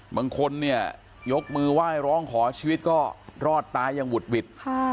บางคนเนี่ยยกมือไหว้ร้องขอชีวิตก็รอดตายอย่างหุดหวิด